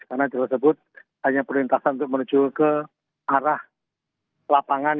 karena jalan tersebut hanya perlu lintasan untuk menuju ke arah lapangan